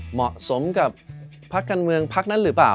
เหมาะสมกับพักการเมืองพักนั้นหรือเปล่า